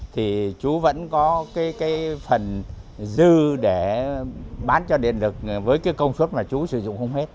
thì chú vẫn có phần dư để bán cho điện lực với công suất mà chú sử dụng